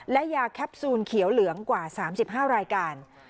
และยาแคปซูลเขียวเหลืองกว่า๓๕รายการ